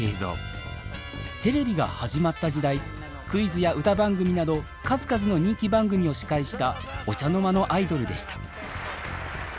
テレビが始まった時代クイズや歌番組など数々の人気番組を司会したお茶の間のアイドルでした。